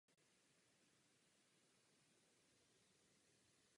Dlužíme poděkování španělským lidem a španělským demokratům, mužům a ženám.